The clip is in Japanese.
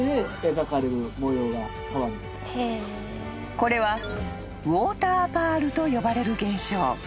［これはウォーターパールと呼ばれる現象］